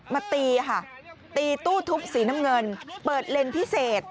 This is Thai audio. มาตีตู้ทุบสีน้ำเงินเปิดเลนพิเศษ